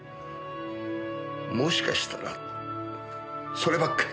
もしかしたらってそればっかりで。